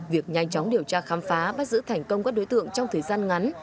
việc nhanh chóng điều tra khám phá bắt giữ thành công các đối tượng trong thời gian ngắn